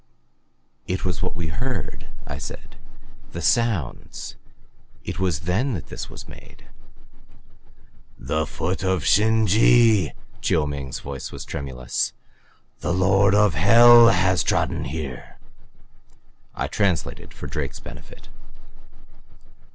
"It was what we heard," I said. "The sounds it was then that this was made." "The foot of Shin je!" Chiu Ming's voice was tremulous. "The lord of Hell has trodden here!" I translated for Drake's benefit.